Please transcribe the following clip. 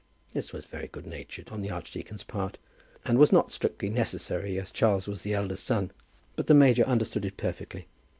This was very good natured on the archdeacon's part, and was not strictly necessary, as Charles was the eldest son; but the major understood it perfectly.